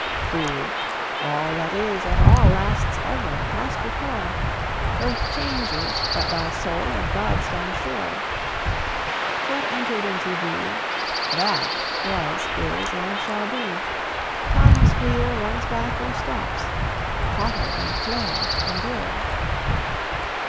Fool! All that is, at all, Lasts ever, past recall; Earth changes, but thy soul and God stand sure; What enter'd into thee, That was, is, and shall be: Time's wheel runs back or stops: Potter and clay endure.